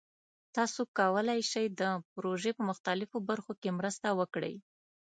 تاسو کولی شئ د پروژې په مختلفو برخو کې مرسته وکړئ.